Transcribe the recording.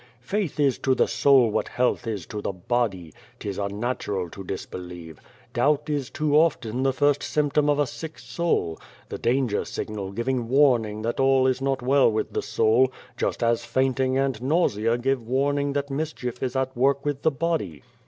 " Faith is to the soul what health is to the body. 'Tis unnatural to disbelieve. Doubt is too often the first symptom of a sick soul the danger signal giving warning that all is not well with the soul, just as fainting and nausea give warning that mischief is at work with the body.